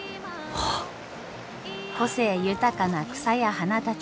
個性豊かな草や花たち。